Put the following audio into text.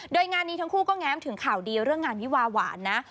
โดยงานนี้ทั้งคู่ก็แง้มถึงข่าวดีเรื่องงานวิวาหวานนะ